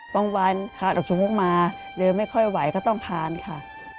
บางวันขาดอกชุมพรุ่งมาเริ่มไม่ค่อยไหวก็ต้องพันค่ะ